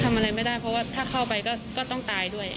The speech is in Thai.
ทำอะไรไม่ได้เพราะว่าถ้าเข้าไปก็ต้องตายด้วย